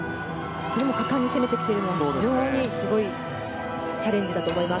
それでも果敢に攻めてきているのはすごいチャレンジだと思います。